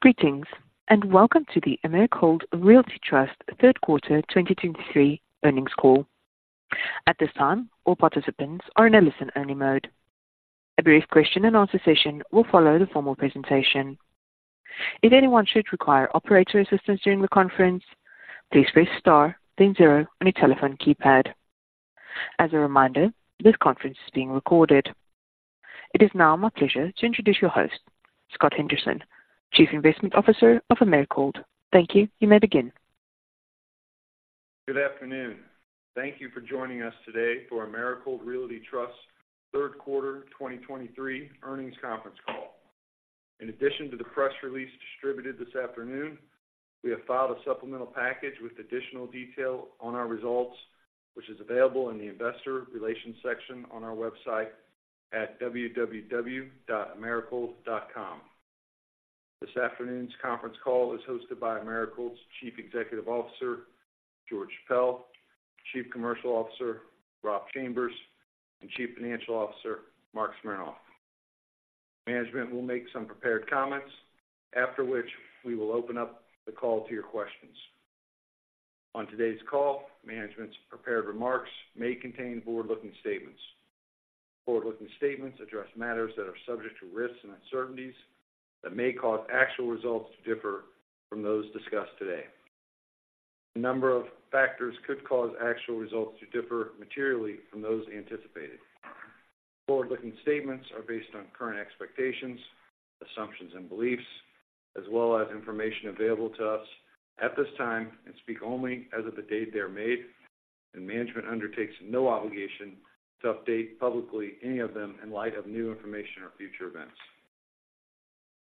Greetings, and welcome to the Americold Realty Trust Third Quarter 2023 Earnings Call. At this time, all participants are in a listen-only mode. A brief question-and-answer session will follow the formal presentation. If anyone should require operator assistance during the conference, please press Star, then zero on your telephone keypad. As a reminder, this conference is being recorded. It is now my pleasure to introduce your host, Scott Henderson, Chief Investment Officer of Americold. Thank you. You may begin. Good afternoon. Thank you for joining us today for Americold Realty Trust Third Quarter 2023 Earnings Conference Call. In addition to the press release distributed this afternoon, we have filed a supplemental package with additional detail on our results, which is available in the Investor Relations section on our website at www.americold.com. This afternoon's conference call is hosted by Americold's Chief Executive Officer, George Chappelle, Chief Commercial Officer, Rob Chambers, and Chief Financial Officer, Marc Smernoff. Management will make some prepared comments, after which we will open up the call to your questions. On today's call, management's prepared remarks may contain forward-looking statements. Forward-looking statements address matters that are subject to risks and uncertainties that may cause actual results to differ from those discussed today. A number of factors could cause actual results to differ materially from those anticipated. Forward-looking statements are based on current expectations, assumptions, and beliefs, as well as information available to us at this time and speak only as of the date they are made, and management undertakes no obligation to update publicly any of them in light of new information or future events.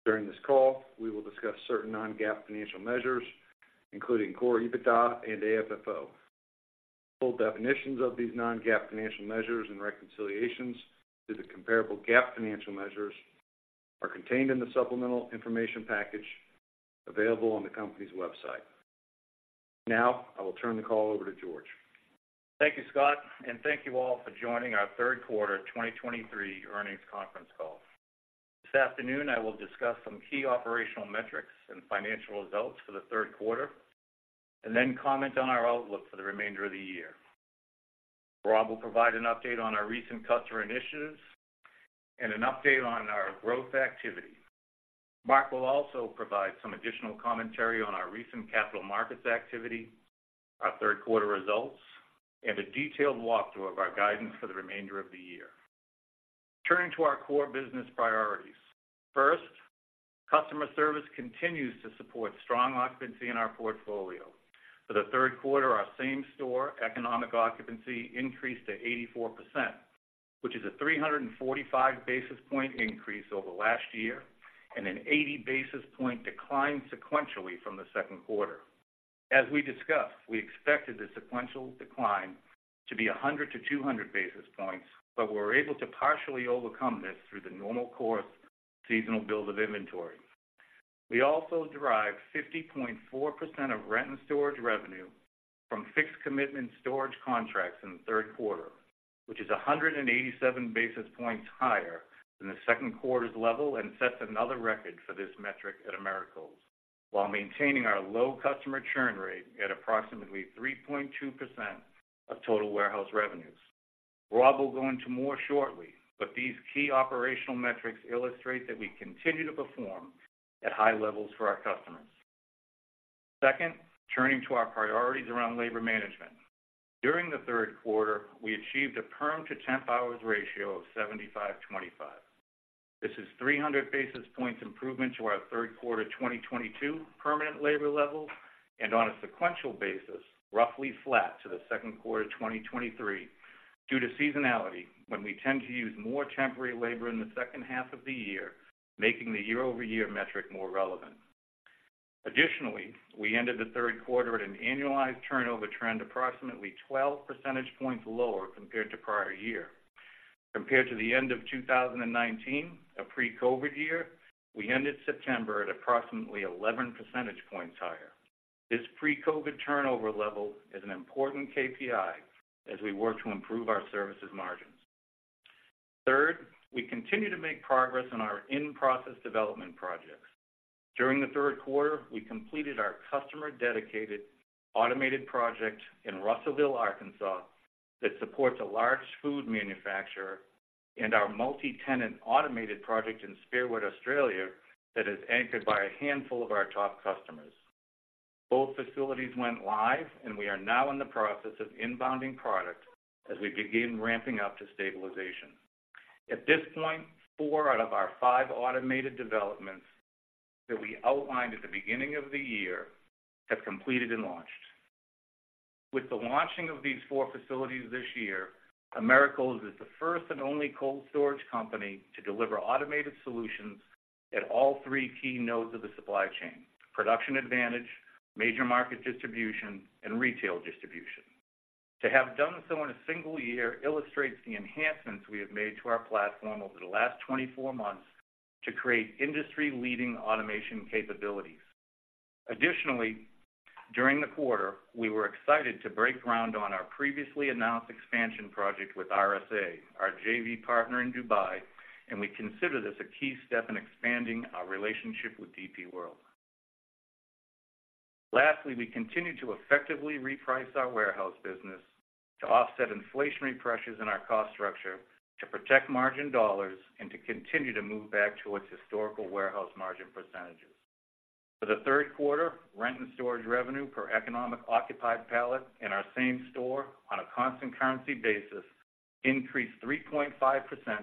During this call, we will discuss certain non-GAAP financial measures, including Core EBITDA and AFFO. Full definitions of these non-GAAP financial measures and reconciliations to the comparable GAAP financial measures are contained in the supplemental information package available on the company's website. Now, I will turn the call over to George. Thank you, Scott, and thank you all for joining our third quarter 2023 earnings conference call. This afternoon, I will discuss some key operational metrics and financial results for the third quarter, and then comment on our outlook for the remainder of the year. Rob will provide an update on our recent customer initiatives and an update on our growth activity. Marc will also provide some additional commentary on our recent capital markets activity, our third quarter results, and a detailed walkthrough of our guidance for the remainder of the year. Turning to our core business priorities. First, customer service continues to support strong occupancy in our portfolio. For the third quarter, our same-store economic occupancy increased to 84%, which is a 345 basis point increase over last year and an 80 basis point decline sequentially from the second quarter. As we discussed, we expected the sequential decline to be 100 basis points-200 basis points, but we were able to partially overcome this through the normal course seasonal build of inventory. We also derived 50.4% of rent and storage revenue from fixed commitment storage contracts in the third quarter, which is 187 basis points higher than the second quarter's level and sets another record for this metric at Americold, while maintaining our low customer churn rate at approximately 3.2% of total warehouse revenues. Rob will go into more shortly, but these key operational metrics illustrate that we continue to perform at high levels for our customers. Second, turning to our priorities around labor management. During the third quarter, we achieved a perm to temp hours ratio of 75/25. This is 300 basis points improvement to our third quarter 2022 permanent labor level, and on a sequential basis, roughly flat to the second quarter 2023, due to seasonality, when we tend to use more temporary labor in the second half of the year, making the year-over-year metric more relevant. Additionally, we ended the third quarter at an annualized turnover trend, approximately 12 percentage points lower compared to prior year. Compared to the end of 2019, a pre-COVID year, we ended September at approximately 11 percentage points higher. This pre-COVID turnover level is an important KPI as we work to improve our services margins. Third, we continue to make progress on our in-process development projects. During the third quarter, we completed our customer-dedicated automated project in Russellville, Arkansas, that supports a large food manufacturer, and our multi-tenant automated project in Spearwood, Australia, that is anchored by a handful of our top customers. Both facilities went live, and we are now in the process of inbounding product as we begin ramping up to stabilization. At this point, four out of our five automated developments that we outlined at the beginning of the year have completed and launched. With the launching of these four facilities this year, Americold is the first and only cold storage company to deliver automated solutions at all three key nodes of the supply chain: production advantage, major market distribution, and retail distribution. To have done so in a single year illustrates the enhancements we have made to our platform over the last 24 months to create industry leading automation capabilities. Additionally, during the quarter, we were excited to break ground on our previously announced expansion project with RSA, our JV partner in Dubai, and we consider this a key step in expanding our relationship with DP World. Lastly, we continue to effectively reprice our warehouse business to offset inflationary pressures in our cost structure, to protect margin dollars, and to continue to move back towards historical warehouse margin percentages. For the third quarter, rent and storage revenue per economic occupied pallet in our same-store on a constant currency basis increased 3.5%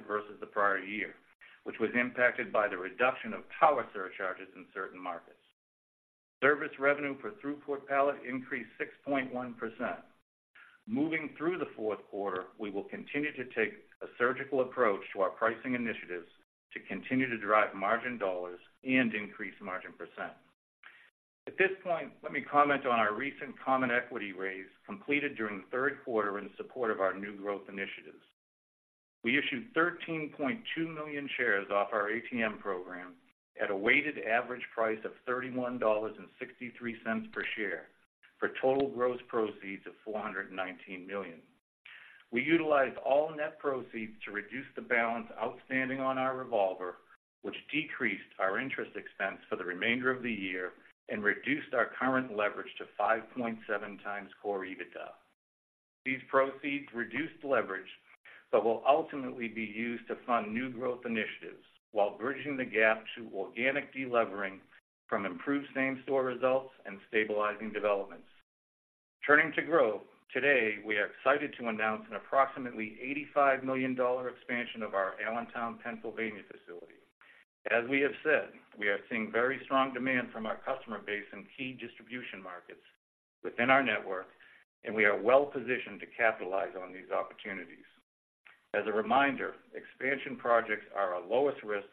versus the prior year, which was impacted by the reduction of power surcharges in certain markets. Service revenue per throughput pallet increased 6.1%. Moving through the fourth quarter, we will continue to take a surgical approach to our pricing initiatives to continue to drive margin dollars and increase margin percent. At this point, let me comment on our recent common equity raise, completed during the third quarter in support of our new growth initiatives. We issued 13.2 million shares off our ATM program at a weighted average price of $31.63 per share for total gross proceeds of $419 million. We utilized all net proceeds to reduce the balance outstanding on our revolver, which decreased our interest expense for the remainder of the year and reduced our current leverage to 5.7x core EBITDA. These proceeds reduced leverage, but will ultimately be used to fund new growth initiatives while bridging the gap to organic delevering from improved same-store results and stabilizing developments. Turning to growth, today, we are excited to announce an approximately $85 million expansion of our Allentown, Pennsylvania, facility. As we have said, we are seeing very strong demand from our customer base in key distribution markets within our network, and we are well positioned to capitalize on these opportunities. As a reminder, expansion projects are our lowest risk,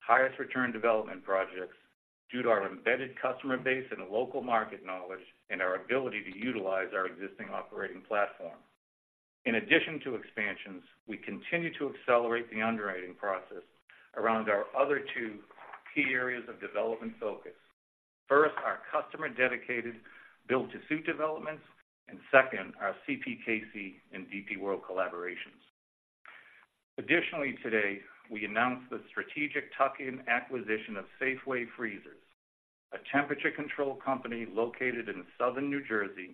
highest return development projects due to our embedded customer base and local market knowledge and our ability to utilize our existing operating platform. In addition to expansions, we continue to accelerate the underwriting process around our other two key areas of development focus. First, our customer-dedicated build-to-suit developments, and second, our CPKC and DP World collaborations. Additionally, today, we announced the strategic tuck-in acquisition of Safeway Freezers, a temperature control company located in Southern New Jersey,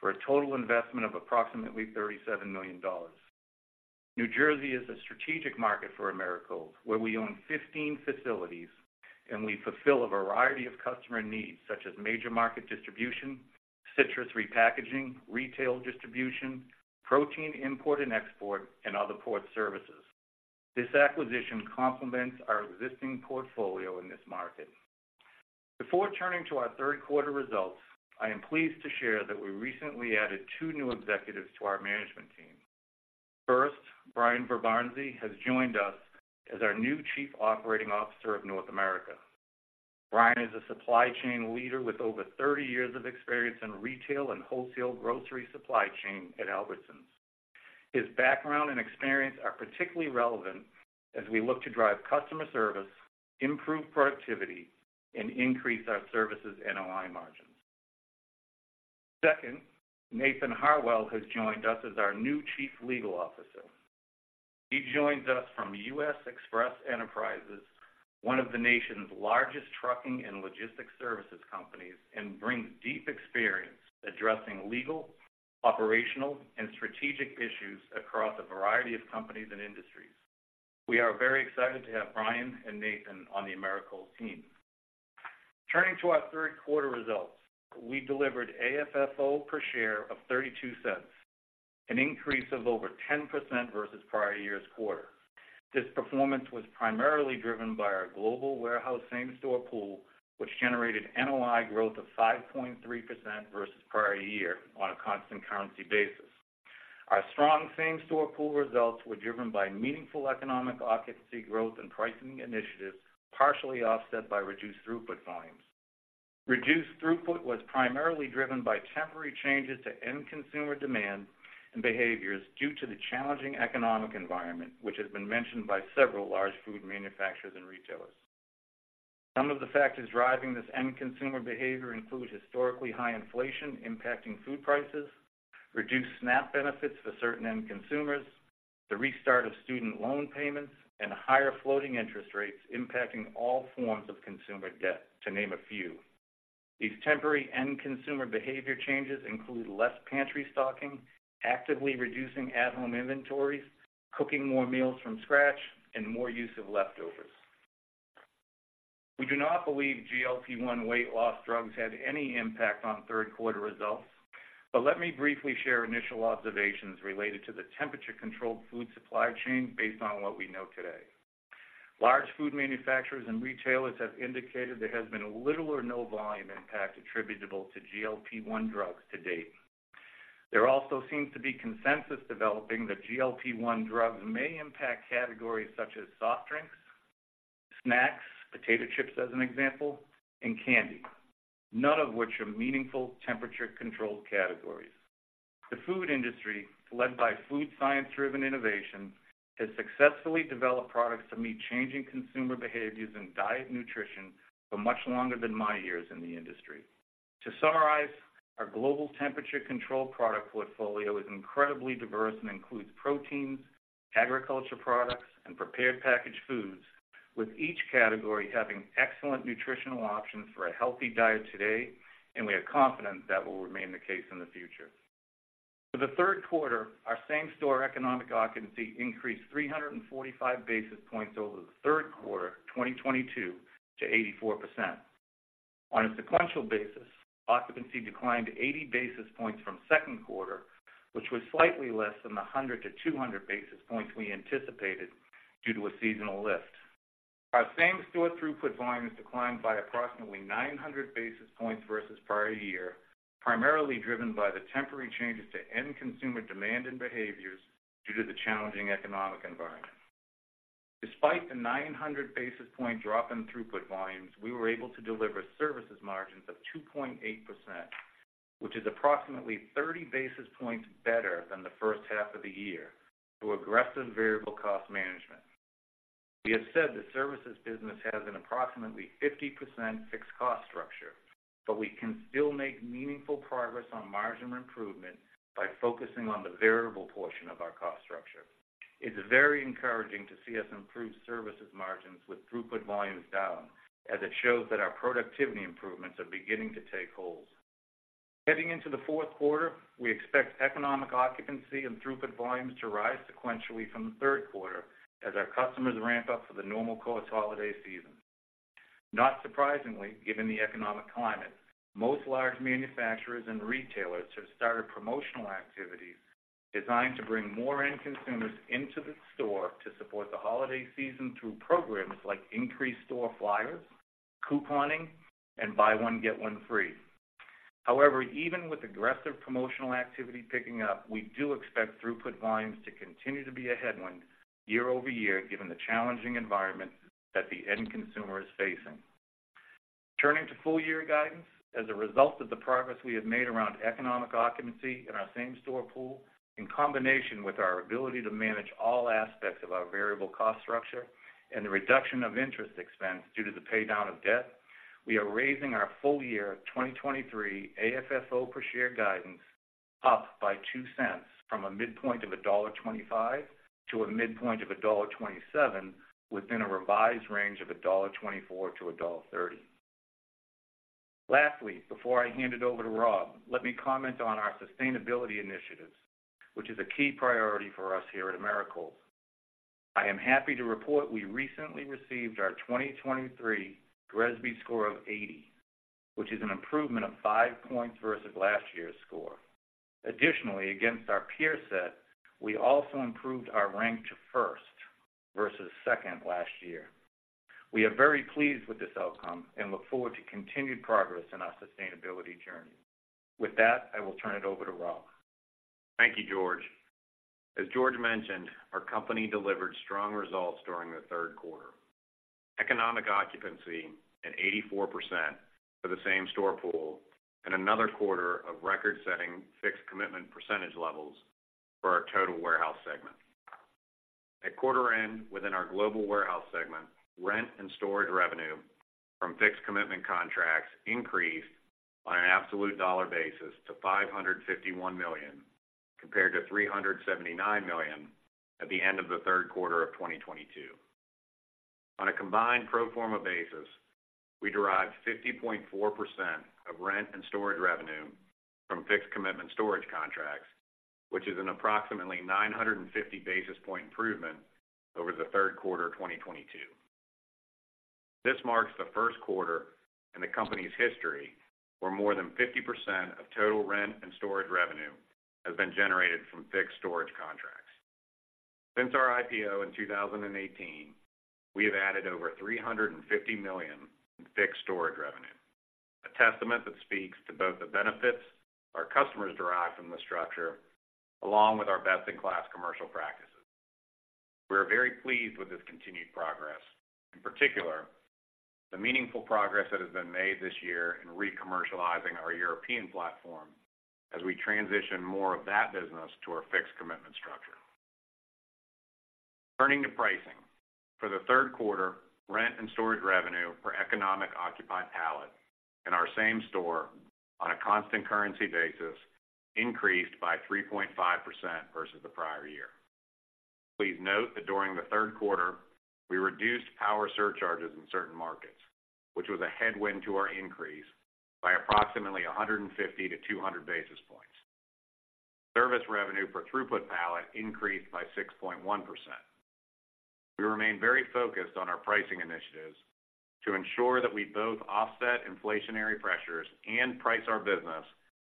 for a total investment of approximately $37 million. New Jersey is a strategic market for Americold, where we own 15 facilities and we fulfill a variety of customer needs, such as major market distribution, citrus repackaging, retail distribution, protein import and export, and other port services. This acquisition complements our existing portfolio in this market. Before turning to our third quarter results, I am pleased to share that we recently added two new executives to our management team. First, Bryan Verbarendse has joined us as our new Chief Operating Officer of North America. Bryan is a supply chain leader with over 30 years of experience in retail and wholesale grocery supply chain at Albertsons. His background and experience are particularly relevant as we look to drive customer service, improve productivity, and increase our services NOI margins. Second, Nathan Harwell has joined us as our new Chief Legal Officer. He joins us from US Xpress Enterprises, one of the nation's largest trucking and logistics services companies, and brings deep experience addressing legal, operational, and strategic issues across a variety of companies and industries. We are very excited to have Bryan and Nathan on the Americold team. Turning to our third quarter results, we delivered AFFO per share of $0.32, an increase of over 10% versus prior year's quarter. This performance was primarily driven by our global warehouse same-store pool, which generated NOI growth of 5.3% versus prior year on a constant currency basis. Our strong same-store pool results were driven by meaningful economic occupancy growth and pricing initiatives, partially offset by reduced throughput volumes. Reduced throughput was primarily driven by temporary changes to end consumer demand and behaviors due to the challenging economic environment, which has been mentioned by several large food manufacturers and retailers. Some of the factors driving this end consumer behavior include historically high inflation impacting food prices, reduced SNAP benefits for certain end consumers, the restart of student loan payments, and higher floating interest rates impacting all forms of consumer debt, to name a few. These temporary end consumer behavior changes include less pantry stocking, actively reducing at-home inventories, cooking more meals from scratch, and more use of leftovers. We do not believe GLP-1 weight loss drugs had any impact on third quarter results, but let me briefly share initial observations related to the temperature-controlled food supply chain based on what we know today. Large food manufacturers and retailers have indicated there has been little or no volume impact attributable to GLP-1 drugs to date. There also seems to be consensus developing that GLP-1 drugs may impact categories such as soft drinks, snacks, potato chips, as an example, and candy, none of which are meaningful temperature-controlled categories. The food industry, led by food science-driven innovation, has successfully developed products to meet changing consumer behaviors and diet nutrition for much longer than my years in the industry. To summarize, our global temperature control product portfolio is incredibly diverse and includes proteins, agriculture products, and prepared packaged foods, with each category having excellent nutritional options for a healthy diet today, and we are confident that will remain the case in the future. For the third quarter, our same-store economic occupancy increased 345 basis points over the third quarter, 2022 to 84%. On a sequential basis, occupancy declined 80 basis points from second quarter, which was slightly less than the 100 basis points-200 basis points we anticipated due to a seasonal lift. Our same-store throughput volumes declined by approximately 900 basis points versus prior year, primarily driven by the temporary changes to end consumer demand and behaviors due to the challenging economic environment. Despite the 900 basis point drop in throughput volumes, we were able to deliver services margins of 2.8%, which is approximately 30 basis points better than the first half of the year, through aggressive variable cost management. We have said the services business has an approximately 50% fixed cost structure, but we can still make meaningful progress on margin improvement by focusing on the variable portion of our cost structure. It's very encouraging to see us improve services margins with throughput volumes down, as it shows that our productivity improvements are beginning to take hold. Heading into the fourth quarter, we expect economic occupancy and throughput volumes to rise sequentially from the third quarter as our customers ramp up for the normal course holiday season. Not surprisingly, given the economic climate, most large manufacturers and retailers have started promotional activities designed to bring more end consumers into the store to support the holiday season through programs like increased store flyers, couponing, and buy one get one free. However, even with aggressive promotional activity picking up, we do expect throughput volumes to continue to be a headwind year-over-year, given the challenging environment that the end consumer is facing. Turning to full year guidance, as a result of the progress we have made around economic occupancy in our same-store pool, in combination with our ability to manage all aspects of our variable cost structure and the reduction of interest expense due to the pay down of debt, we are raising our full year 2023 AFFO per share guidance up by $0.02 from a midpoint of $1.25 to a midpoint of $1.27, within a revised range of $1.24-$1.30. Lastly, before I hand it over to Rob, let me comment on our sustainability initiatives, which is a key priority for us here at Americold. I am happy to report we recently received our 2023 GRESB score of 80, which is an improvement of 5 points versus last year's score. Additionally, against our peer set, we also improved our rank to first versus second last year. We are very pleased with this outcome and look forward to continued progress in our sustainability journey. With that, I will turn it over to Rob. Thank you, George. As George mentioned, our company delivered strong results during the third quarter. Economic occupancy at 84% for the same-store pool, and another quarter of record-setting fixed commitment percentage levels for our total warehouse segment. At quarter end, within our global warehouse segment, rent and storage revenue from fixed commitment contracts increased on an absolute dollar basis to $551 million, compared to $379 million at the end of the third quarter of 2022. On a combined proforma basis, we derived 50.4% of rent and storage revenue from fixed commitment storage contracts, which is an approximately 950 basis point improvement over the third quarter of 2022. This marks the first quarter in the company's history, where more than 50% of total rent and storage revenue has been generated from fixed storage contracts. Since our IPO in 2018, we have added over $350 million in fixed storage revenue, a testament that speaks to both the benefits our customers derive from the structure, along with our best-in-class commercial practices. We are very pleased with this continued progress, in particular, the meaningful progress that has been made this year in re-commercializing our European platform as we transition more of that business to our fixed commitment structure. Turning to pricing. For the third quarter, rent and storage revenue for economically occupied pallet in our same-store, on a constant currency basis, increased by 3.5% versus the prior year. Please note that during the third quarter, we reduced power surcharges in certain markets, which was a headwind to our increase by approximately 150 basis points-200 basis points. Service revenue per throughput pallet increased by 6.1%. We remain very focused on our pricing initiatives to ensure that we both offset inflationary pressures and price our business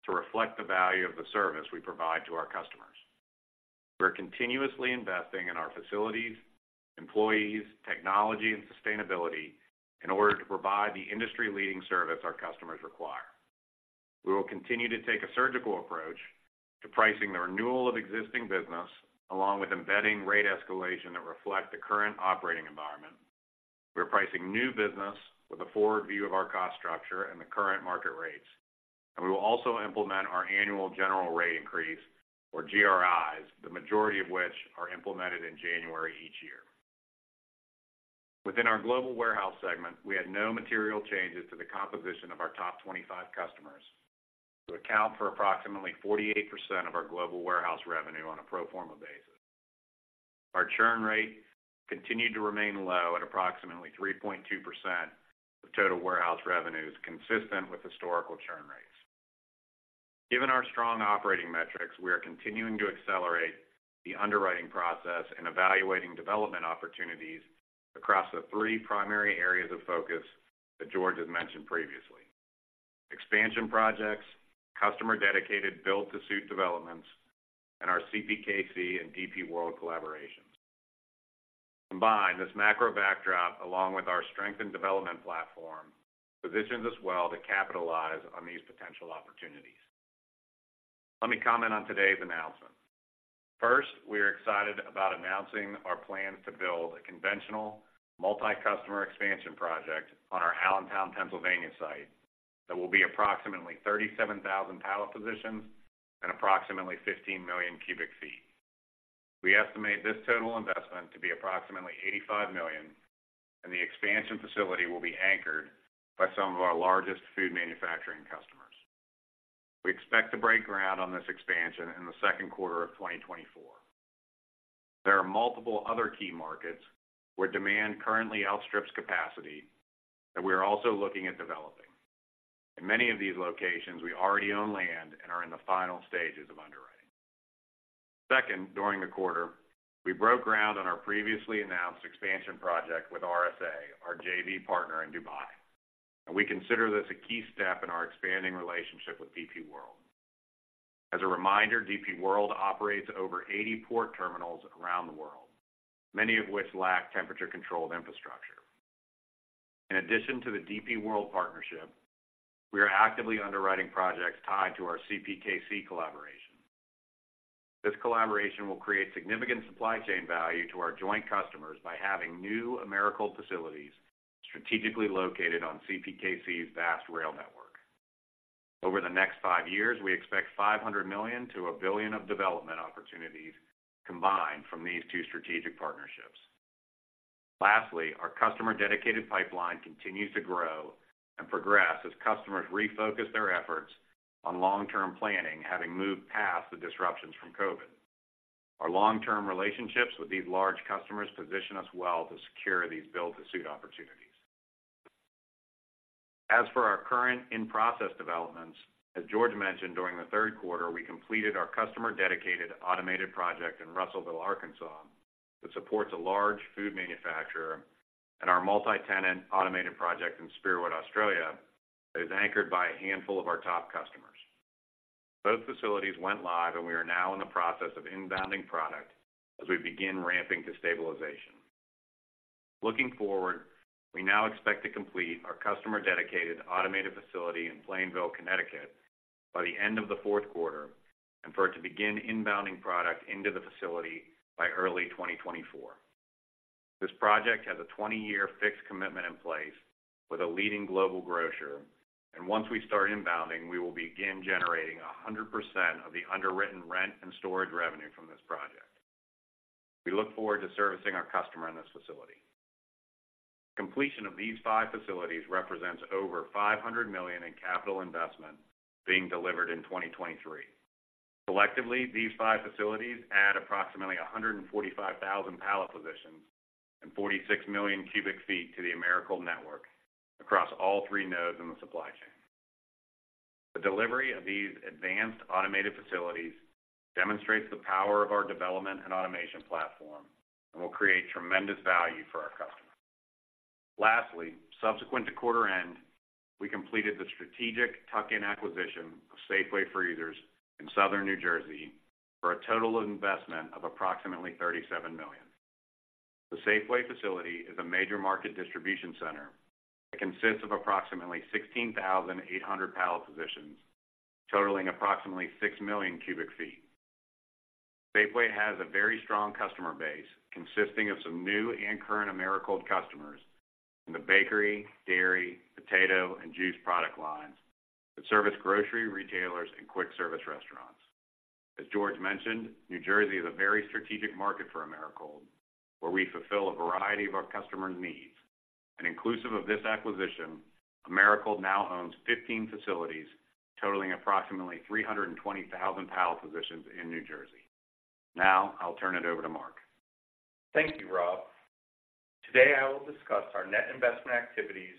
to reflect the value of the service we provide to our customers. We're continuously investing in our facilities, employees, technology, and sustainability in order to provide the industry-leading service our customers require. We will continue to take a surgical approach to pricing the renewal of existing business, along with embedding rate escalation that reflect the current operating environment. We are pricing new business with a forward view of our cost structure and the current market rates, and we will also implement our annual general rate increase, or GRIs, the majority of which are implemented in January each year. Within our global warehouse segment, we had no material changes to the composition of our top 25 customers, who account for approximately 48% of our global warehouse revenue on a pro forma basis. Our churn rate continued to remain low at approximately 3.2% of total warehouse revenues, consistent with historical churn rates. Given our strong operating metrics, we are continuing to accelerate the underwriting process and evaluating development opportunities across the three primary areas of focus that George has mentioned previously: expansion projects, customer-dedicated build-to-suit developments, and our CPKC and DP World collaborations. Combined, this macro backdrop, along with our strengthened development platform, positions us well to capitalize on these potential opportunities. Let me comment on today's announcement. First, we are excited about announcing our plans to build a conventional multi-customer expansion project on our Allentown, Pennsylvania site, that will be approximately 37,000 pallet positions and approximately 15 million cu ft. We estimate this total investment to be approximately $85 million, and the expansion facility will be anchored by some of our largest food manufacturing customers. We expect to break ground on this expansion in the second quarter of 2024. There are multiple other key markets where demand currently outstrips capacity that we are also looking at developing. In many of these locations, we already own land and are in the final stages of underwriting. Second, during the quarter, we broke ground on our previously announced expansion project with RSA, our JV partner in Dubai. We consider this a key step in our expanding relationship with DP World. As a reminder, DP World operates over 80 port terminals around the world, many of which lack temperature-controlled infrastructure. In addition to the DP World partnership, we are actively underwriting projects tied to our CPKC collaboration. This collaboration will create significant supply chain value to our joint customers by having new Americold facilities strategically located on CPKC's vast rail network. Over the next five years, we expect $500 million-$1 billion of development opportunities combined from these two strategic partnerships. Lastly, our customer-dedicated pipeline continues to grow and progress as customers refocus their efforts on long-term planning, having moved past the disruptions from COVID. Our long-term relationships with these large customers position us well to secure these build-to-suit opportunities. As for our current in-process developments, as George mentioned during the third quarter, we completed our customer-dedicated automated project in Russellville, Arkansas, that supports a large food manufacturer, and our multi-tenant automated project in Spearwood, Australia, is anchored by a handful of our top customers. Both facilities went live, and we are now in the process of inbounding product as we begin ramping to stabilization. Looking forward, we now expect to complete our customer-dedicated automated facility in Plainville, Connecticut, by the end of the fourth quarter, and for it to begin inbounding product into the facility by early 2024. This project has a 20-year fixed commitment in place with a leading global grocer, and once we start inbounding, we will begin generating 100% of the underwritten rent and storage revenue from this project. We look forward to servicing our customer in this facility. Completion of these five facilities represents over $500 million in capital investment being delivered in 2023. Collectively, these five facilities add approximately 145,000 pallet positions and 46 million cu ft to the Americold network across all three nodes in the supply chain. The delivery of these advanced automated facilities demonstrates the power of our development and automation platform and will create tremendous value for our customers. Lastly, subsequent to quarter end, we completed the strategic tuck-in acquisition of Safeway Freezers in Southern New Jersey for a total investment of approximately $37 million. The Safeway facility is a major market distribution center that consists of approximately 16,800 pallet positions, totaling approximately 6 million cu ft. Safeway has a very strong customer base, consisting of some new and current Americold customers in the bakery, dairy, potato, and juice product lines that service grocery retailers and quick-service restaurants. As George mentioned, New Jersey is a very strategic market for Americold, where we fulfill a variety of our customers' needs. Inclusive of this acquisition, Americold now owns 15 facilities, totaling approximately 320,000 pallet positions in New Jersey. Now, I'll turn it over to Marc. Thank you, Rob. Today, I will discuss our net investment activities,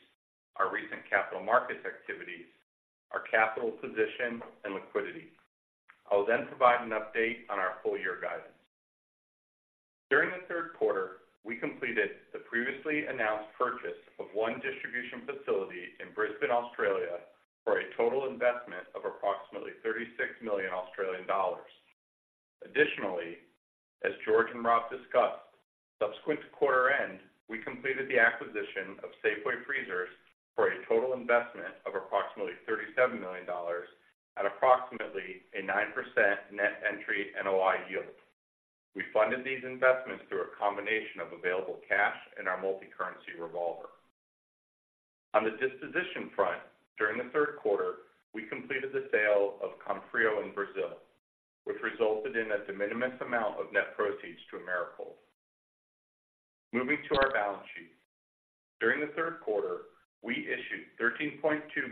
our recent capital markets activities, our capital position, and liquidity. I will then provide an update on our full-year guidance. During the third quarter, we completed the previously announced purchase of one distribution facility in Brisbane, Australia, for a total investment of approximately 36 million Australian dollars. Additionally, as George and Rob discussed, subsequent to quarter end, we completed the acquisition of Safeway Freezers for a total investment of approximately $37 million at approximately a 9% net entry NOI yield. We funded these investments through a combination of available cash and our multi-currency revolver. On the disposition front, during the third quarter, we completed the sale of Comfrio in Brazil, which resulted in a de minimis amount of net proceeds to Americold. Moving to our balance sheet. During the third quarter, we issued 13.2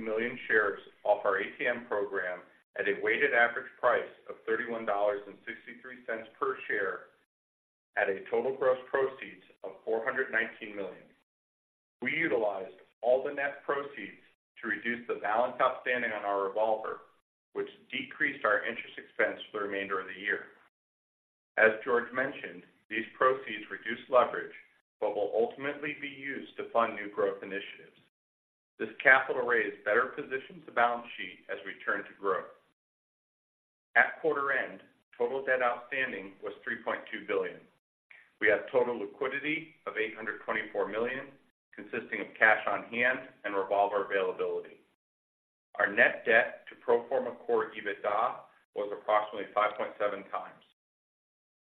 million shares off our ATM program at a weighted average price of $31.63 per share, at a total gross proceeds of $419 million. We utilized all the net proceeds to reduce the balance outstanding on our revolver, which decreased our interest expense for the remainder of the year. As George mentioned, these proceeds reduce leverage, but will ultimately be used to fund new growth initiatives. This capital raise better positions the balance sheet as we turn to growth. At quarter end, total debt outstanding was $3.2 billion. We have total liquidity of $824 million, consisting of cash on hand and revolver availability. Our net debt to pro forma Core EBITDA was approximately 5.7x.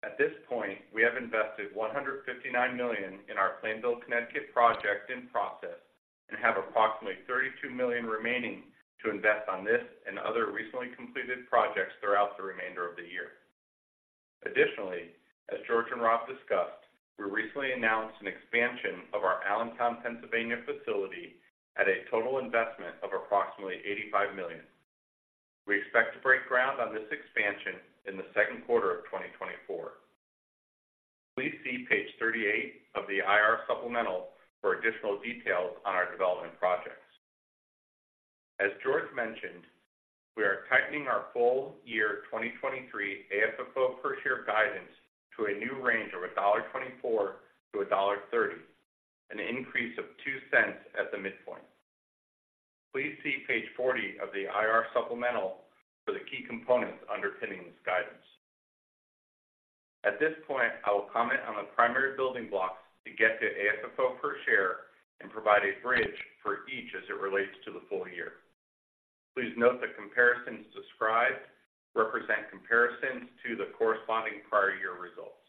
At this point, we have invested $159 million in our Plainville, Connecticut project in process, and have approximately $32 million remaining to invest on this and other recently completed projects throughout the remainder of the year. Additionally, as George and Rob discussed, we recently announced an expansion of our Allentown, Pennsylvania facility at a total investment of approximately $85 million. We expect to break ground on this expansion in the second quarter of 2024. Please see page 38 of the IR supplemental for additional details on our development projects. As George mentioned, we are tightening our full year 2023 AFFO per share guidance to a new range of $1.24-$1.30, an increase of $0.02 at the midpoint. Please see page 40 of the IR supplemental for the key components underpinning this guidance. At this point, I will comment on the primary building blocks to get to AFFO per share and provide a bridge for each as it relates to the full year. Please note the comparisons described represent comparisons to the corresponding prior year results.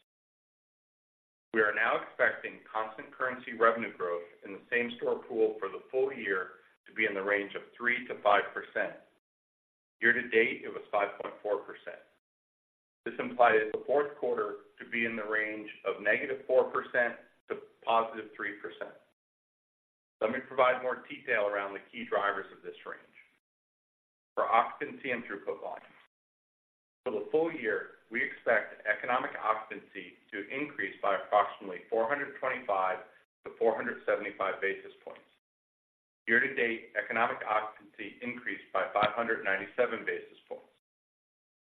We are now expecting constant currency revenue growth in the same-store pool for the full year to be in the range of 3%-5%. Year to date, it was 5.4%. This implies the fourth quarter to be in the range of -4% to +3%. Let me provide more detail around the key drivers of this range. For occupancy and throughput volume. For the full year, we expect economic occupancy to increase by approximately 425 basis points-475 basis points. Year to date, economic occupancy increased by 597 basis points.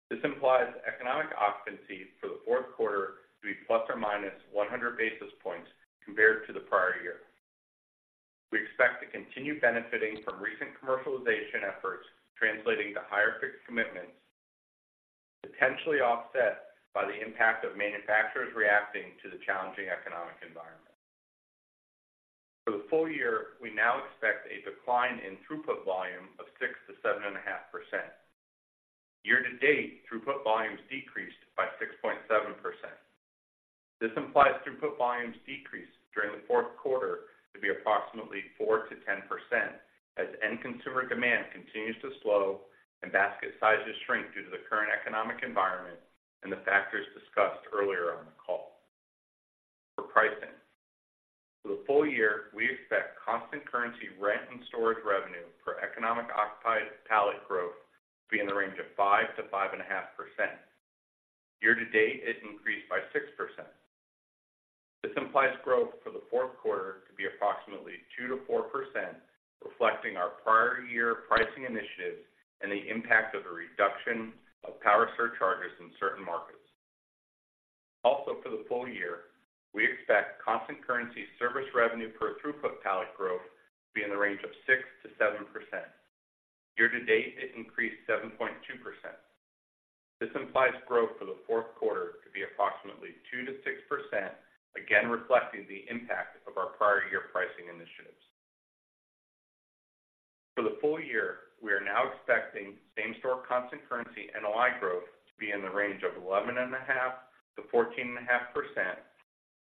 This implies economic occupancy for the fourth quarter to be ±100 basis points compared to the prior year. We expect to continue benefiting from recent commercialization efforts, translating to higher fixed commitments, potentially offset by the impact of manufacturers reacting to the challenging economic environment. For the full year, we now expect a decline in throughput volume of 6%-7.5%. Year to date, throughput volumes decreased by 6.7%. This implies throughput volumes decrease during the fourth quarter to be approximately 4%-10%, as end consumer demand continues to slow and basket sizes shrink due to the current economic environment and the factors discussed earlier on the call. For pricing, for the full year, we expect constant currency rent and storage revenue per economic occupied pallet growth to be in the range of 5%-5.5%. Year to date, it increased by 6%. This implies growth for the fourth quarter to be approximately 2%-4%, reflecting our prior year pricing initiatives and the impact of a reduction of power surcharges in certain markets. Also, for the full year, we expect constant currency service revenue per throughput pallet growth to be in the range of 6%-7%. Year to date, it increased 7.2%. This implies growth for the fourth quarter to be approximately 2%-6%, again, reflecting the impact of our prior year pricing initiatives. For the full year, we are now expecting same-store constant currency NOI growth to be in the range of 11.5%-14.5%,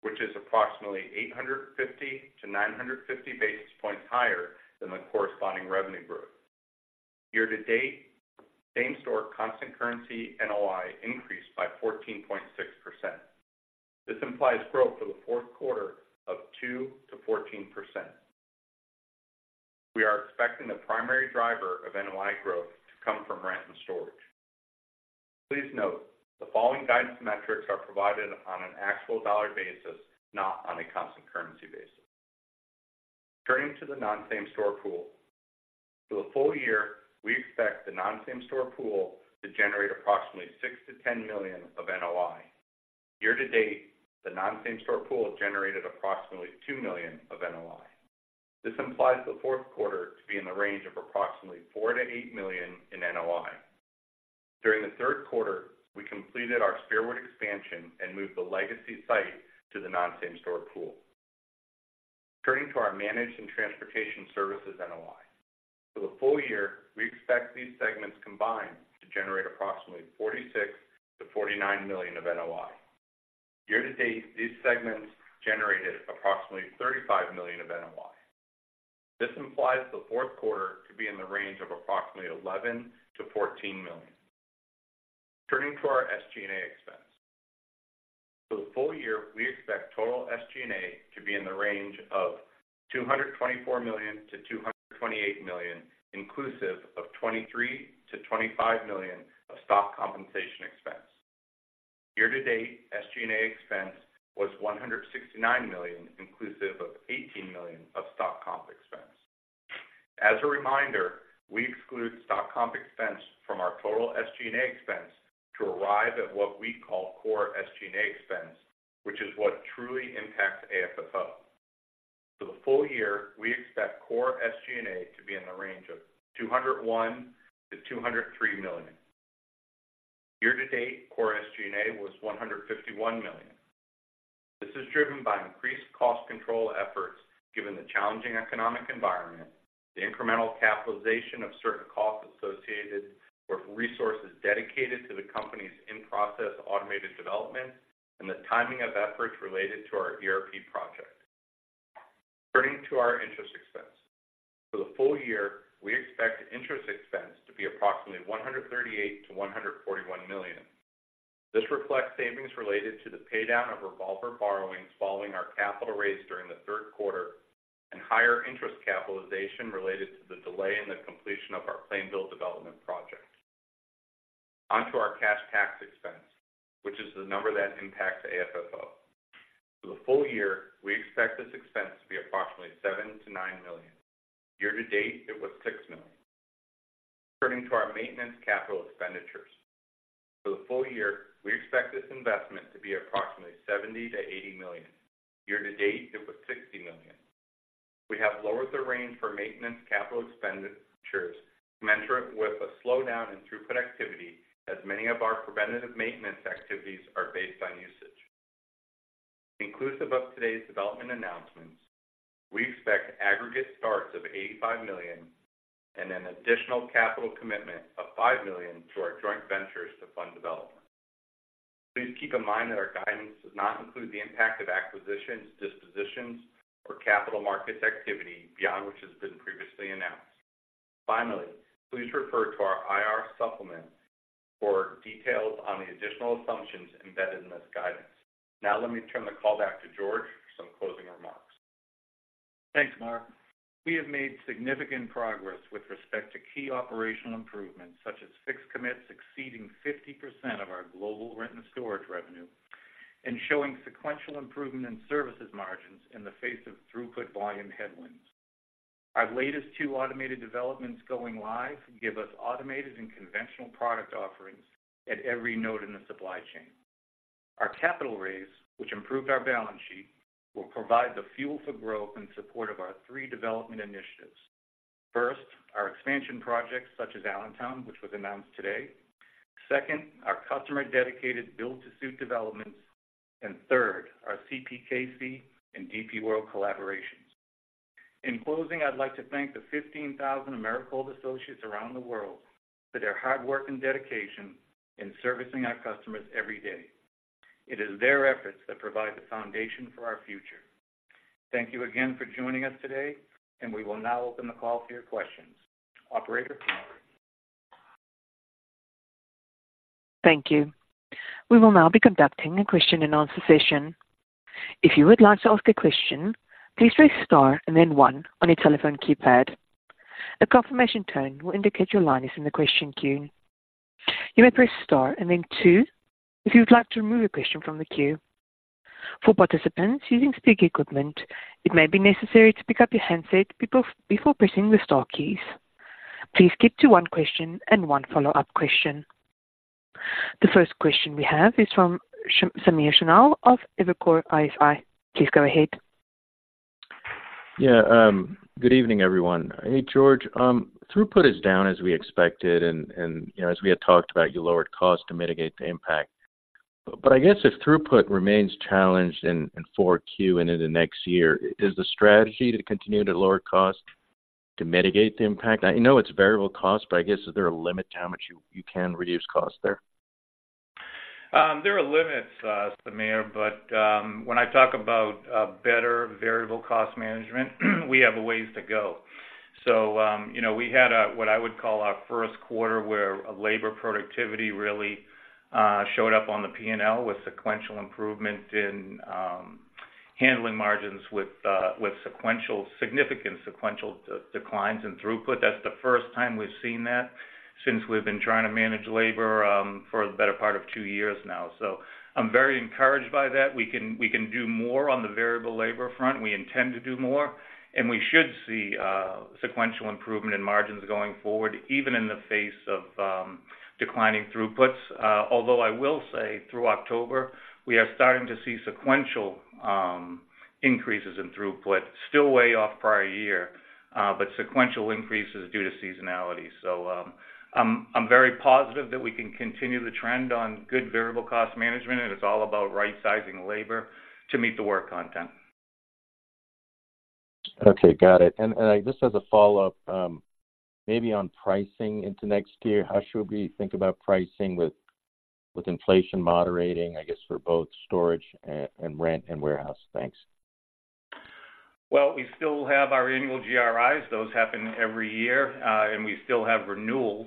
which is approximately 850 basis points-950 basis points higher than the corresponding revenue growth. Year to date, same-store constant currency NOI increased by 14.6%. This implies growth for the fourth quarter of 2%-14%. We are expecting the primary driver of NOI growth to come from rent and storage. Please note, the following guidance metrics are provided on an actual dollar basis, not on a constant currency basis. Turning to the non-same-store pool. For the full year, we expect the non-same-store pool to generate approximately $6 million-$10 million of NOI. Year to date, the non-same-store pool generated approximately $2 million of NOI. This implies the fourth quarter to be in the range of approximately $4 million-$8 million in NOI. During the third quarter, we completed our Spearwood expansion and moved the legacy site to the non-same-store pool. Turning to our managed and transportation services NOI. For the full year, we expect these segments combined to generate approximately $46 million-$49 million of NOI. Year to date, these segments generated approximately $35 million of NOI. This implies the fourth quarter to be in the range of approximately $11 million-$14 million. Turning to our SG&A expense. For the full year, we expect total SG&A to be in the range of $224 million-$228 million, inclusive of $23 million-$25 million of stock compensation expense. Year to date, SG&A expense was $169 million, inclusive of $18 million of stock comp expense. As a reminder, we exclude stock comp expense from our total SG&A expense to arrive at what we call core SG&A expense, which is what truly impacts AFFO. For the full year, we expect core SG&A to be in the range of $201 million-$203 million. Year to date, core SG&A was $151 million. This is driven by increased cost control efforts, given the challenging economic environment, the incremental capitalization of certain costs associated with resources dedicated to the company's in-process automated development, and the timing of efforts related to our ERP project. Turning to our interest expense. For the full year, we expect interest expense to be approximately $138 million-$141 million. This reflects savings related to the paydown of revolver borrowings following our capital raise during the third quarter, and higher interest capitalization related to the delay in the completion of our Plainville development project. On to our cash tax expense, which is the number that impacts AFFO. For the full year, we expect this expense to be approximately $7 million-$9 million. Year to date, it was $6 million. Turning to our maintenance capital expenditures. For the full year, we expect this investment to be approximately $70 million-$80 million. Year to date, it was $60 million. We have lowered the range for maintenance capital expenditures to match it with a slowdown in throughput activity, as many of our preventative maintenance activities are based on usage. Inclusive of today's development announcements, we expect aggregate starts of $85 million and an additional capital commitment of $5 million to our joint ventures to fund development. Please keep in mind that our guidance does not include the impact of acquisitions, dispositions, or capital markets activity beyond which has been previously announced. Finally, please refer to our IR supplement for details on the additional assumptions embedded in this guidance. Now, let me turn the call back to George for some closing remarks. Thanks, Marc. We have made significant progress with respect to key operational improvements, such as fixed commits exceeding 50% of our global rent and storage revenue, and showing sequential improvement in services margins in the face of throughput volume headwinds. Our latest two automated developments going live, give us automated and conventional product offerings at every node in the supply chain. Our capital raise, which improved our balance sheet, will provide the fuel for growth in support of our three development initiatives. First, our expansion projects, such as Allentown, which was announced today. Second, our customer-dedicated build-to-suit developments, and third, our CPKC and DP World collaborations. In closing, I'd like to thank the 15,000 Americold associates around the world for their hard work and dedication in servicing our customers every day. It is their efforts that provide the foundation for our future. Thank you again for joining us today, and we will now open the call for your questions. Operator? Thank you. We will now be conducting a question and answer session. If you would like to ask a question, please press star and then one on your telephone keypad. A confirmation tone will indicate your line is in the question queue. You may press star and then two, if you would like to remove a question from the queue. For participants using speaker equipment, it may be necessary to pick up your handset before pressing the star keys. Please keep to one question and one follow-up question. The first question we have is from Samir Khanal of Evercore ISI. Please go ahead. Yeah, good evening, everyone. Hey, George, throughput is down as we expected, and as we had talked about, you lowered cost to mitigate the impact. But I guess if throughput remains challenged in 4Q and into next year, is the strategy to continue to lower cost to mitigate the impact? I know it's variable cost, but I guess, is there a limit to how much you can reduce costs there? There are limits, Samir, but when I talk about better variable cost management, we have a ways to go. So, you know, we had what I would call our first quarter, where labor productivity really showed up on the P&L, with sequential improvement in handling margins with significant sequential declines in throughput. That's the first time we've seen that since we've been trying to manage labor for the better part of two years now. So I'm very encouraged by that. We can, we can do more on the variable labor front. We intend to do more, and we should see sequential improvement in margins going forward, even in the face of declining throughputs. Although I will say, through October, we are starting to see sequential increases in throughput, still way off prior year, but sequential increases due to seasonality. So, I'm very positive that we can continue the trend on good variable cost management, and it's all about right-sizing labor to meet the work content. Okay, got it. And I just as a follow-up, maybe on pricing into next year, how should we think about pricing with inflation moderating, I guess, for both storage and rent and warehouse? Thanks. Well, we still have our annual GRIs. Those happen every year, and we still have renewals.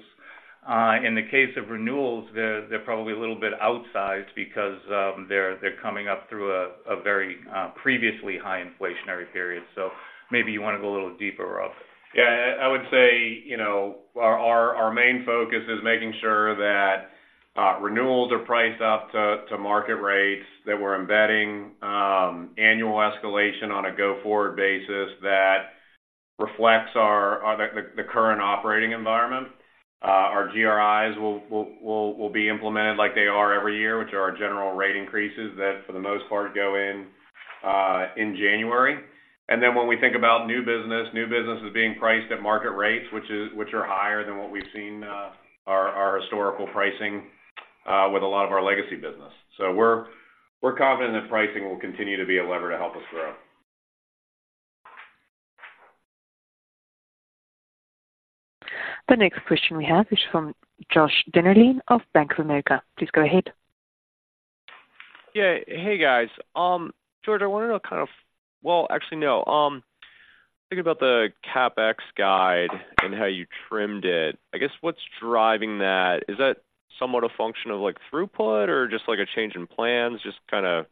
In the case of renewals, they're probably a little bit outsized because they're coming up through a very previously high inflationary period. So maybe you want to go a little deeper, Rob. Yeah, I would say, you know, our main focus is making sure that renewals are priced up to market rates, that we're embedding annual escalation on a go-forward basis that reflects the current operating environment. Our GRIs will be implemented like they are every year, which are our general rate increases that, for the most part, go in January. And then when we think about new business, new business is being priced at market rates, which are higher than what we've seen our historical pricing with a lot of our legacy business. So we're confident that pricing will continue to be a lever to help us grow. The next question we have is from Josh Dennerlein of Bank of America. Please go ahead. Yeah. Hey, guys. George, I want to know kind of, Well, actually, no. Think about the CapEx guide and how you trimmed it. I guess, what's driving that? Is that somewhat a function of like, throughput or just, like, a change in plans? Just kind of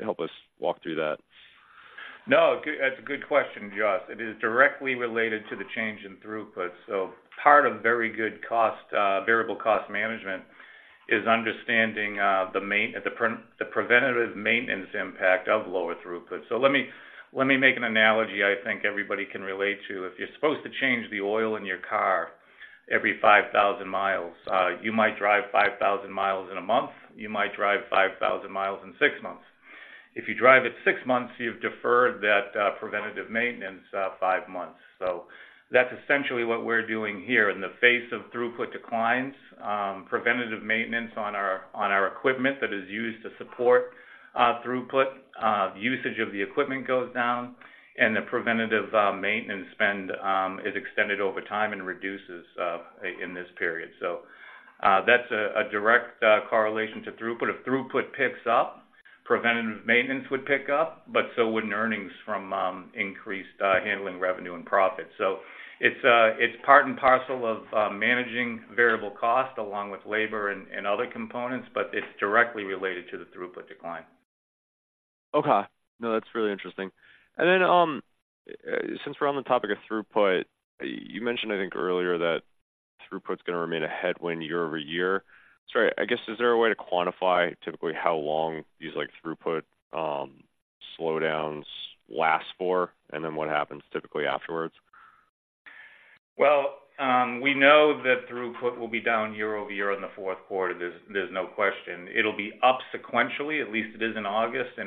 help us walk through that. No, good, that's a good question, Josh. It is directly related to the change in throughput. So part of very good cost variable cost management is understanding the preventative maintenance impact of lower throughput. So let me make an analogy I think everybody can relate to. If you're supposed to change the oil in your car every 5,000 mi, you might drive 5,000 mi in a month, you might drive 5,000 mi in six months. If you drive it six months, you've deferred that preventative maintenance five months. So that's essentially what we're doing here. In the face of throughput declines, preventative maintenance on our equipment that is used to support throughput, usage of the equipment goes down, and the preventative maintenance spend is extended over time and reduces in this period. So, that's a direct correlation to throughput. If throughput picks up, preventative maintenance would pick up, but so would earnings from increased handling revenue and profit. So it's part and parcel of managing variable cost along with labor and other components, but it's directly related to the throughput decline. Okay. No, that's really interesting. And then, since we're on the topic of throughput, you mentioned, I think earlier, that throughput is going to remain a headwind year over year. Sorry, I guess, is there a way to quantify typically how long these like, throughput slowdowns last for, and then what happens typically afterwards? Well, we know that throughput will be down year-over-year in the fourth quarter. There's no question. It'll be up sequentially, at least it is in August, I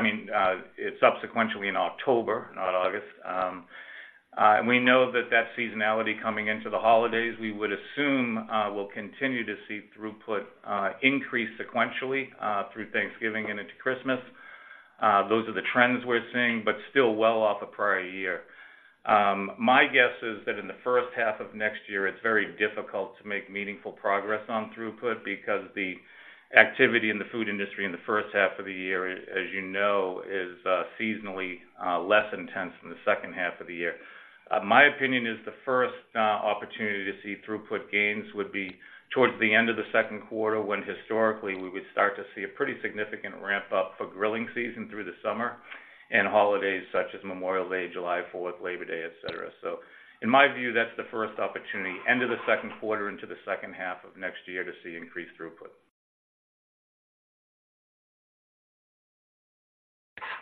mean, it's up sequentially in October, not August. And we know that that seasonality coming into the holidays, we would assume, we'll continue to see throughput increase sequentially through Thanksgiving and into Christmas. Those are the trends we're seeing, but still well off the prior year. My guess is that in the first half of next year, it's very difficult to make meaningful progress on throughput because the activity in the food industry in the first half of the year, as you know, is seasonally less intense than the second half of the year. My opinion is the first opportunity to see throughput gains would be towards the end of the second quarter, when historically we would start to see a pretty significant ramp-up for grilling season through the summer and holidays, such as Memorial Day, July Fourth, Labor Day, et cetera. So in my view, that's the first opportunity, end of the second quarter into the second half of next year to see increased throughput.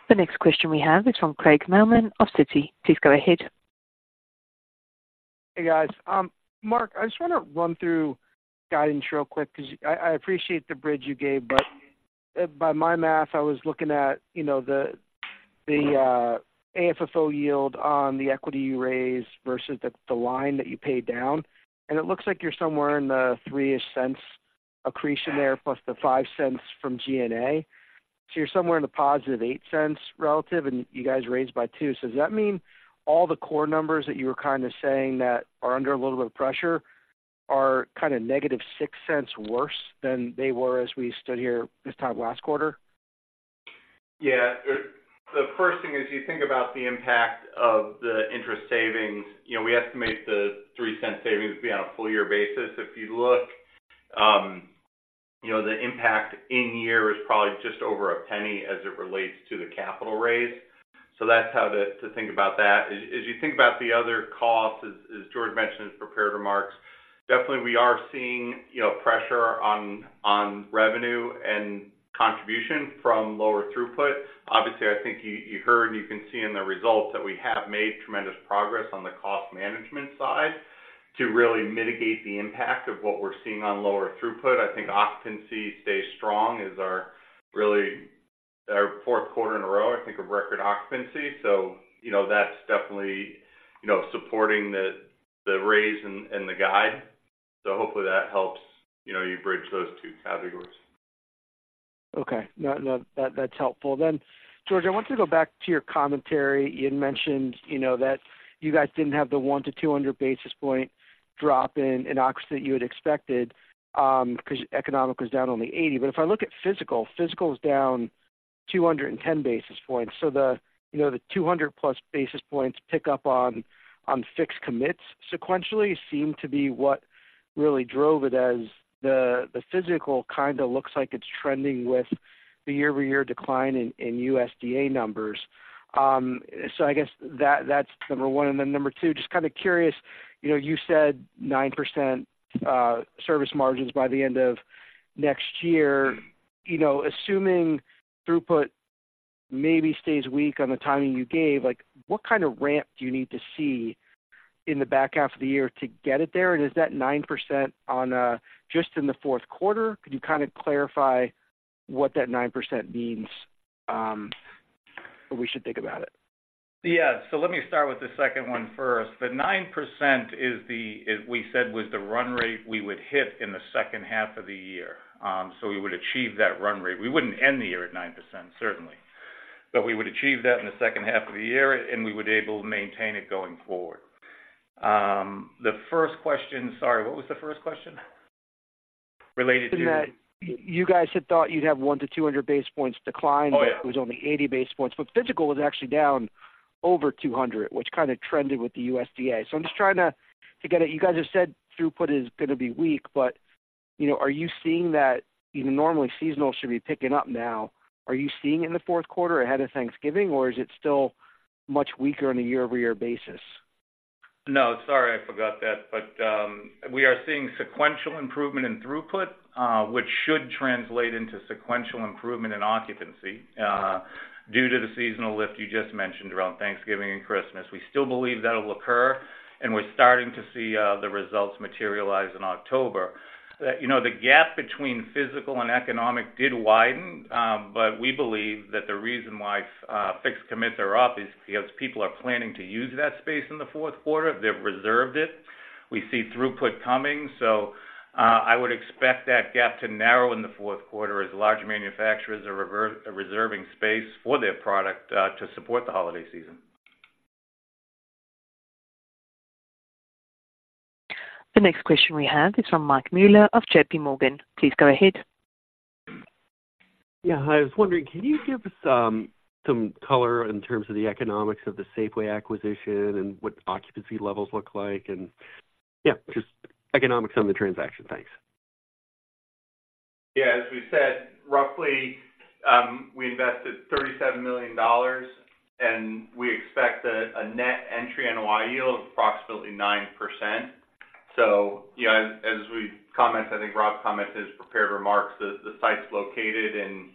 The next question we have is from Craig Mailman of Citi. Please go ahead. Hey, guys. Marc, I just want to run through guidance real quick, because I appreciate the bridge you gave, but by my math, I was looking at, you know, the AFFO yield on the equity you raised versus the line that you paid down, and it looks like you're somewhere in the $0.03-ish accretion there, plus the $0.05 from GNA. So you're somewhere in the +$0.08 relative, and you guys raised by $0.02. So does that mean all the core numbers that you were kind of saying that are under a little bit of pressure are kind of -$0.06 worse than they were as we stood here this time last quarter? Yeah. The first thing is, you think about the impact of the interest savings. You know, we estimate the $0.03 savings to be on a full year basis. If you look, you know, the impact in year is probably just over $0.01 as it relates to the capital raise. So that's how to, to think about that. As, as you think about the other costs, as, as George mentioned in his prepared remarks, definitely we are seeing, you know, pressure on, on revenue and contribution from lower throughput. Obviously, I think you, you heard and you can see in the results that we have made tremendous progress on the cost management side to really mitigate the impact of what we're seeing on lower throughput. I think occupancy stays strong, is our really, our fourth quarter in a row, I think of record occupancy. You know, that's definitely, you know, supporting the raise and the guide. So hopefully that helps, you know, you bridge those two categories. Okay. No, no, that's helpful. Then, George, I want to go back to your commentary. You had mentioned, you know, that you guys didn't have the 100 basis points-200 basis point drop in occupancy that you had expected, 'cause economic was down only 80. But if I look at physical, physical is down 210 basis points. So the, you know, the 200+ basis points pick up on fixed commits sequentially seem to be what really drove it as the physical kind of looks like it's trending with the year-over-year decline in USDA numbers. So I guess that's number one. And then number two, just kind of curious, you know, you said 9% service margins by the end of next year. You know, assuming throughput maybe stays weak on the timing you gave, like, what kind of ramp do you need to see in the back half of the year to get it there? And is that 9% on, just in the fourth quarter? Could you kind of clarify what that 9% means, or we should think about it? Yeah. So let me start with the second one first. The 9% is the, is we said, was the run rate we would hit in the second half of the year. So we would achieve that run rate. We wouldn't end the year at 9%, certainly, but we would achieve that in the second half of the year, and we would able to maintain it going forward. The first question, Sorry, what was the first question? Related to... You guys had thought you'd have 100 basis points-200 basis points decline... Oh, yeah. But it was only 80 basis points, but physical was actually down over 200, which kind of trended with the USDA. So I'm just trying to get it. You guys have said throughput is going to be weak, but, you know, are you seeing that even normally, seasonal should be picking up now. Are you seeing in the fourth quarter ahead of Thanksgiving, or is it still much weaker on a year-over-year basis? No, sorry, I forgot that. But, we are seeing sequential improvement in throughput, which should translate into sequential improvement in occupancy, due to the seasonal lift you just mentioned around Thanksgiving and Christmas. We still believe that'll occur, and we're starting to see, the results materialize in October. You know, the gap between physical and economic did widen, but we believe that the reason why, fixed commits are up is because people are planning to use that space in the fourth quarter. They've reserved it. We see throughput coming, so, I would expect that gap to narrow in the fourth quarter as large manufacturers are reserving space for their product, to support the holiday season. The next question we have is from Mike Mueller of JP Morgan. Please go ahead. Yeah. Hi, I was wondering, can you give us some color in terms of the economics of the Safeway acquisition and what occupancy levels look like? And, yeah, just economics on the transaction. Thanks. Yeah, as we said, roughly, we invested $37 million, and we expect a net entry NOI yield of approximately 9%. So yeah, as we commented, I think Rob commented his prepared remarks, the site's located in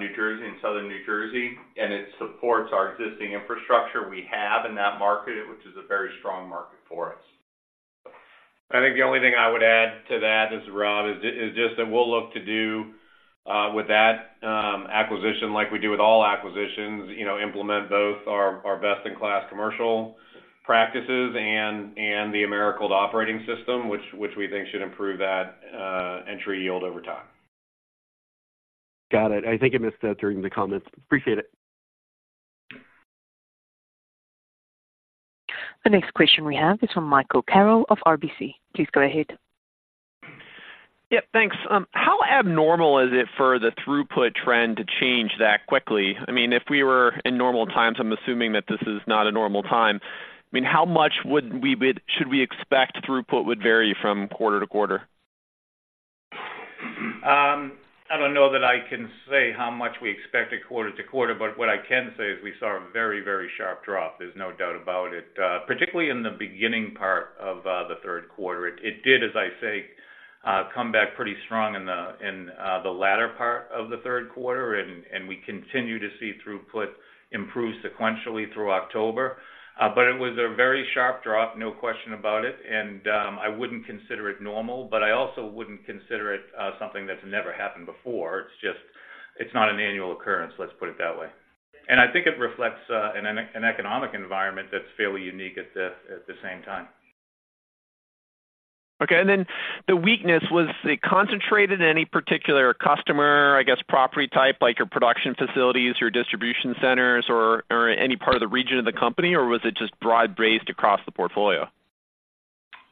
New Jersey, in southern New Jersey, and it supports our existing infrastructure we have in that market, which is a very strong market for us. I think the only thing I would add to that, this is Rob, is just that we'll look to do with that acquisition, like we do with all acquisitions, you know, implement both our best-in-class commercial practices and the Americold operating system, which we think should improve that entry yield over time. Got it. I think I missed that during the comments. Appreciate it. The next question we have is from Michael Carroll of RBC. Please go ahead. Yeah, thanks. How abnormal is it for the throughput trend to change that quickly? I mean, if we were in normal times, I'm assuming that this is not a normal time. I mean, should we expect throughput would vary from quarter to quarter? I don't know that I can say how much we expect it quarter to quarter, but what I can say is we saw a very, very sharp drop, there's no doubt about it, particularly in the beginning part of the third quarter. It did, as I say, come back pretty strong in the latter part of the third quarter, and we continue to see throughput improve sequentially through October. But it was a very sharp drop, no question about it, and I wouldn't consider it normal, but I also wouldn't consider it something that's never happened before. It's just, It's not an annual occurrence, let's put it that way. And I think it reflects an economic environment that's fairly unique at the same time. Okay, and then the weakness, was it concentrated in any particular customer, I guess, property type, like your production facilities, your distribution centers, or, or any part of the region of the company, or was it just broad-based across the portfolio?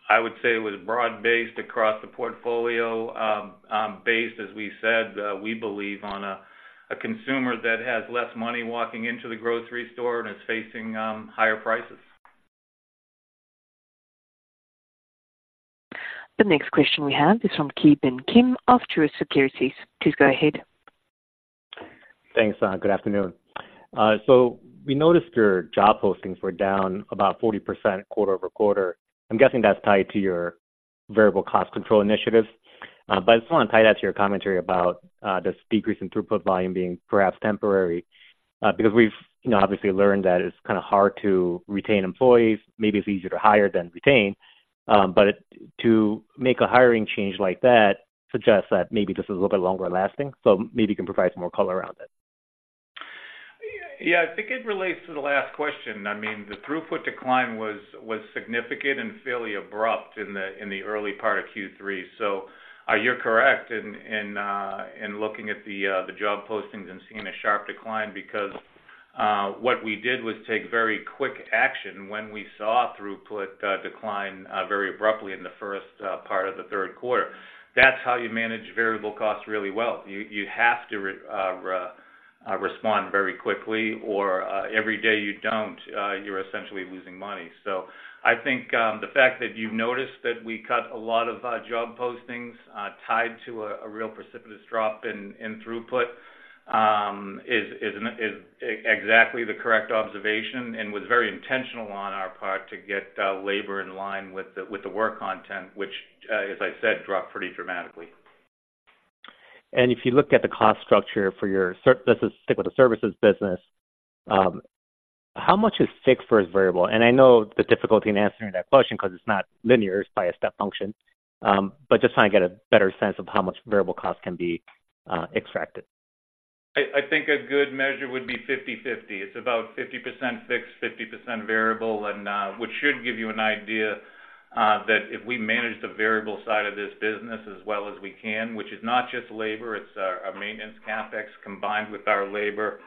I would say it was broad-based across the portfolio, based, as we said, we believe on a consumer that has less money walking into the grocery store and is facing higher prices. The next question we have is from Ki Bin Kim of Truist Securities. Please go ahead. Thanks. Good afternoon. So we noticed your job postings were down about 40% quarter-over-quarter. I'm guessing that's tied to your variable cost control initiatives. But I just want to tie that to your commentary about this decrease in throughput volume being perhaps temporary, because we've, you know, obviously learned that it's kind of hard to retain employees. Maybe it's easier to hire than retain, but to make a hiring change like that suggests that maybe this is a little bit longer lasting, so maybe you can provide some more color around it. Yeah, I think it relates to the last question. I mean, the throughput decline was significant and fairly abrupt in the early part of Q3. So, you're correct in looking at the job postings and seeing a sharp decline, because what we did was take very quick action when we saw throughput decline very abruptly in the first part of the third quarter. That's how you manage variable costs really well. You have to respond very quickly, or every day you don't, you're essentially losing money. So I think the fact that you've noticed that we cut a lot of job postings tied to a real precipitous drop in throughput is exactly the correct observation and was very intentional on our part to get labor in line with the work content, which as I said dropped pretty dramatically. If you look at the cost structure for your services business. Let's just stick with the services business. How much is fixed versus variable? I know the difficulty in answering that question because it's not linear, it's by a step function. Just trying to get a better sense of how much variable cost can be extracted. I think a good measure would be 50/50. It's about 50% fixed, 50% variable, and which should give you an idea that if we manage the variable side of this business as well as we can, which is not just labor, it's our maintenance CapEx combined with our labor.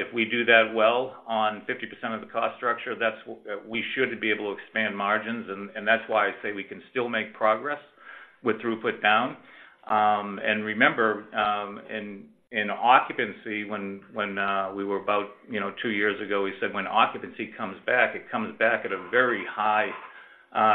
If we do that well on 50% of the cost structure, we should be able to expand margins, and that's why I say we can still make progress with throughput down. And remember, in occupancy, when we were about, you know, two years ago, we said when occupancy comes back, it comes back at a very high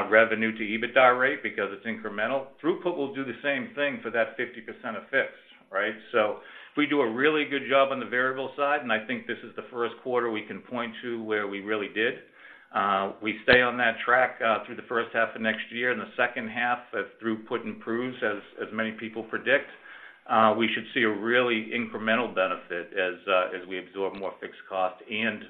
revenue to EBITDA rate because it's incremental. Throughput will do the same thing for that 50% of fixed, right? So if we do a really good job on the variable side, and I think this is the first quarter we can point to where we really did, we stay on that track, through the first half of next year and the second half, as throughput improves, as many people predict, we should see a really incremental benefit as we absorb more fixed cost and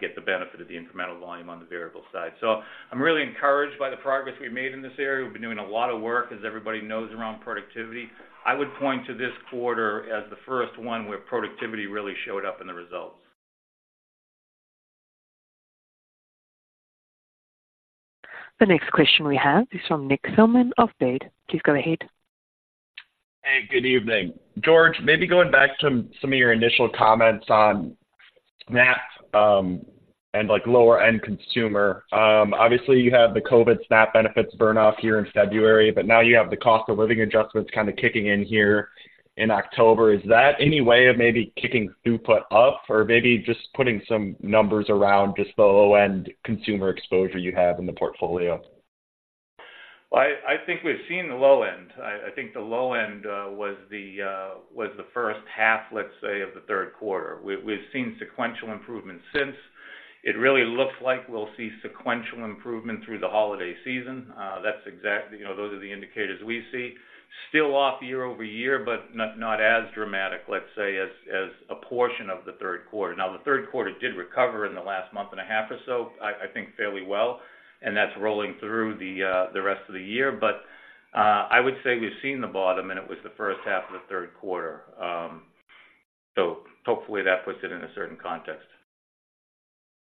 get the benefit of the incremental volume on the variable side. So I'm really encouraged by the progress we've made in this area. We've been doing a lot of work, as everybody knows, around productivity. I would point to this quarter as the first one where productivity really showed up in the results. The next question we have is from Nick Thillman of Baird. Please go ahead. Hey, good evening. George, maybe going back to some of your initial comments on SNAP, and, like, lower-end consumer. Obviously, you had the COVID SNAP benefits burn off here in February, but now you have the cost of living adjustments kind of kicking in here in October. Is that any way of maybe kicking throughput up or maybe just putting some numbers around just the low-end consumer exposure you have in the portfolio? Well, I think we've seen the low end. I think the low end was the first half, let's say, of the third quarter. We've seen sequential improvement since. It really looks like we'll see sequential improvement through the holiday season. That's exactly, You know, those are the indicators we see. Still off year-over-year, but not as dramatic, let's say, as a portion of the third quarter. Now, the third quarter did recover in the last month and a half or so, I think, fairly well, and that's rolling through the rest of the year. But I would say we've seen the bottom, and it was the first half of the third quarter. So hopefully that puts it in a certain context.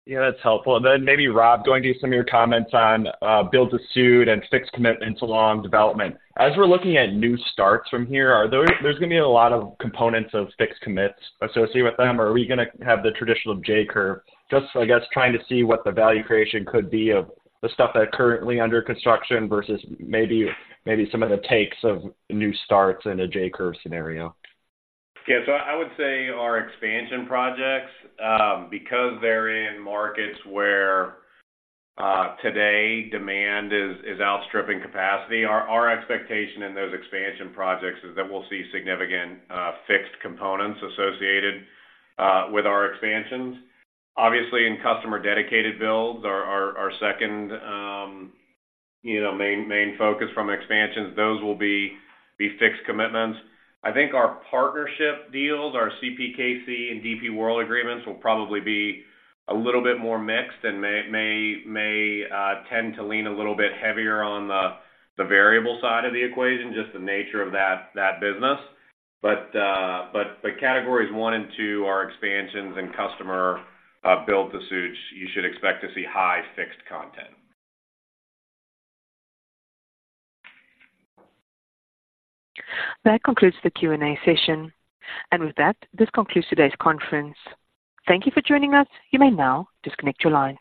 Yeah, that's helpful. And then maybe, Rob, going to some of your comments on build-to-suit and fixed commitments along development. As we're looking at new starts from here, are there, there's gonna be a lot of components of fixed commits associated with them, or are we gonna have the traditional J-curve? Just, I guess, trying to see what the value creation could be of the stuff that are currently under construction versus maybe some of the takes of new starts in a J-curve scenario. Yeah, so I would say our expansion projects, because they're in markets where today, demand is outstripping capacity, our expectation in those expansion projects is that we'll see significant fixed components associated with our expansions. Obviously, in customer-dedicated builds, our second, you know, main focus from expansions, those will be fixed commitments. I think our partnership deals, our CPKC and DP World agreements, will probably be a little bit more mixed and may tend to lean a little bit heavier on the variable side of the equation, just the nature of that business. But the categories one and two are expansions and customer build-to-suits. You should expect to see high fixed content. That concludes the Q&A session. With that, this concludes today's conference. Thank you for joining us. You may now disconnect your lines.